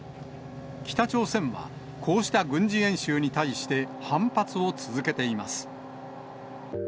北朝鮮は、こうした軍事演習に対して反発を続けています。